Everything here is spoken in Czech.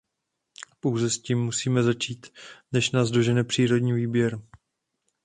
Pouze s tím musíme začít, než nás dožene přírodní výběr.